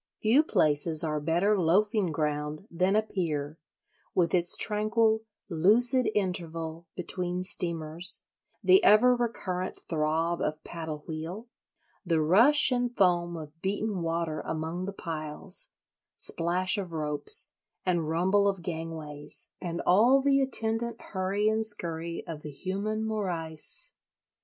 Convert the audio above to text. Few places are better loafing ground than a pier, with its tranquil "lucid interval" between steamers, the ever recurrent throb of paddle wheel, the rush and foam of beaten water among the piles, splash of ropes and rumble of gangways, and all the attendant hurry and scurry of the human morrice.